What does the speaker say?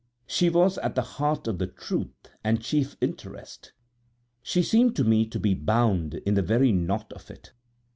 She was at the heart of the truth and chief interest; she seemed to me to be bound in the very knot of it.